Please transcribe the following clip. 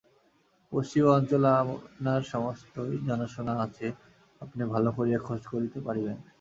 পশ্চিম-অঞ্চল আপনার সমস্তই জানাশোনা আছে, আপনি ভালো করিয়া খোঁজ করিতে পারিবেন।